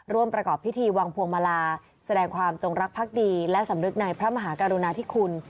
ประกอบพิธีวางพวงมาลาแสดงความจงรักภักดีและสำนึกในพระมหากรุณาธิคุณ